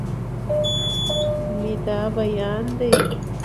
مې دا بيان دی